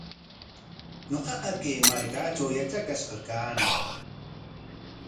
Ñuqaqa kay markatraw yatrakash kaañam.